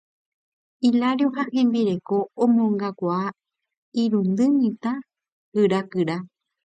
Hilario ha hembireko omongakuaa irundy mitã kyrakyra.